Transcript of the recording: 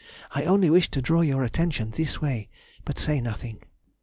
I only wish to draw your attention this way, but say nothing.